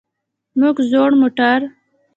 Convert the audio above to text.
موږ زوړ موټر.